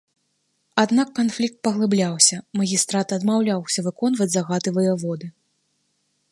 Аднак канфлікт паглыбляўся, магістрат адмаўляўся выконваць загады ваяводы.